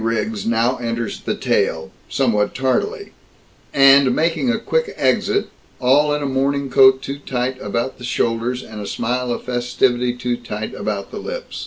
Riggs now enters the tale somewhat tardily, and making a quick exit, all in a morning coat too tight about the shoulders, and a smile of festivity too tight about the lips.